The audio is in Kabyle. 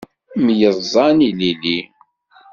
Myeẓẓan ilili.